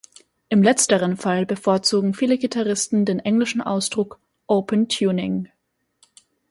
Im letzteren Fall bevorzugen viele Gitarristen den englischen Ausdruck „open tuning“.